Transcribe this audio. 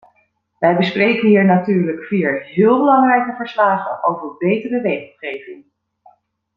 We bespreken hier natuurlijk vier heel belangrijke verslagen over betere regelgeving.